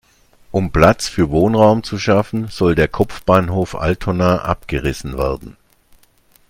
Um Platz für Wohnraum zu schaffen, soll der Kopfbahnhof Altona abgerissen werden.